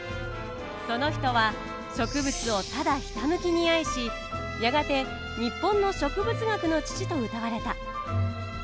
その人は植物をただひたむきに愛しやがて日本の植物学の父とうたわれた。